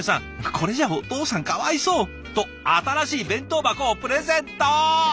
「これじゃお父さんかわいそう！」と新しい弁当箱をプレゼント。